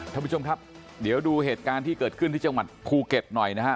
ท่านผู้ชมครับเดี๋ยวดูเหตุการณ์ที่เกิดขึ้นที่จังหวัดภูเก็ตหน่อยนะฮะ